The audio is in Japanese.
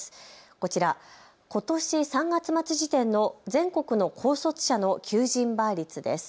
こちら、ことし３月末時点の全国の高卒者の求人倍率です。